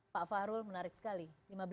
pak fahrul menarik sekali